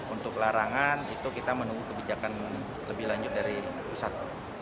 untuk larangan itu kita menunggu kebijakan lebih lanjut dari pusat